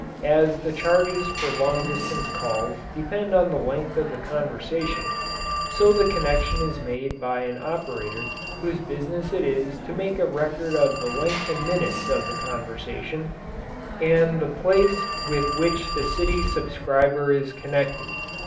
As the charges for long distance calls depend on the length of the conversation, so the connection is made by an operator whose business it is to make a record of the length in minutes of the conversation and the place with which the city subscriber is connected.